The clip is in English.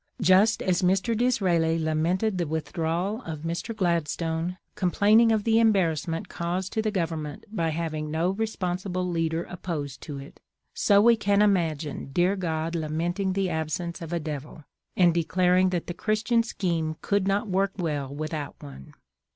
Just as Mr. Disraeli lamented the withdrawal of Mr. Gladstone, complaining of the embarrassment caused to the Government by having no responsible leader opposed to it, so we can imagine dear God lamenting the absence of a Devil, and declaring that the Christian scheme could not work well without one.